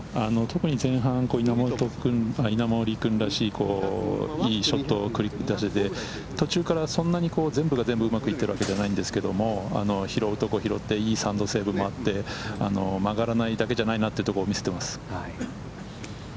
特に前半、稲森君らしいいいショットを繰り出せて、途中からそんなに、全部が全部うまくいっているわけではないんですけど、拾うところを拾って、いいセーブもあって、曲がらないだけじゃないなというところを見せています。